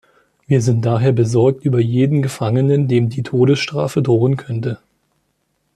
Wir sind daher besorgt über jeden Gefangenen, dem die Todesstrafe drohen könnte.